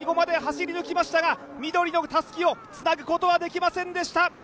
浅野、最後まで走り抜きましたが、緑のたすきをつなぐことができませんでした。